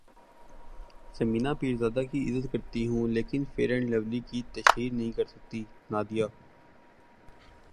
ثمینہ پیرزادہ کی عزت کرتی ہوں لیکن فیئر اینڈ لولی کی تشہیر نہیں کرسکتی نادیہ